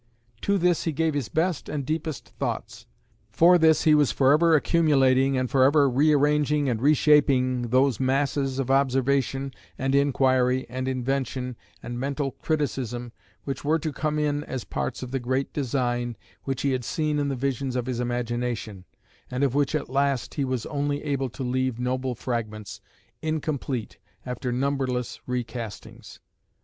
To this he gave his best and deepest thoughts; for this he was for ever accumulating, and for ever rearranging and reshaping those masses of observation and inquiry and invention and mental criticism which were to come in as parts of the great design which he had seen in the visions of his imagination, and of which at last he was only able to leave noble fragments, incomplete after numberless recastings.